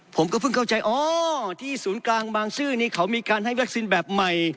ผมก็เพิ่งเข้าใจอ๋อที่ศูนย์กลางบางซื่อนี้เขามีการให้วัคซีนแบบใหม่